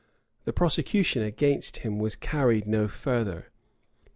The prosecution against him was carried no further.